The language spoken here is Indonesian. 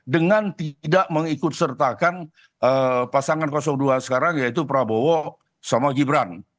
dengan tidak mengikut sertakan pasangan dua sekarang yaitu prabowo sama gibran